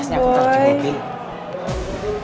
masnya aku terjemahin